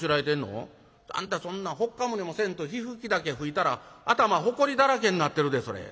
あんたそんなほっかむりもせんと火吹き竹吹いたら頭ほこりだらけになってるでそれ。